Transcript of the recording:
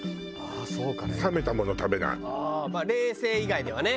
冷製以外ではね。